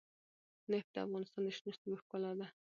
نفت د افغانستان د شنو سیمو ښکلا ده.